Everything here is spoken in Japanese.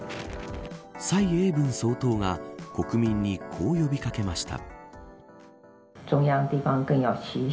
蔡英文総統が国民にこう呼び掛けました。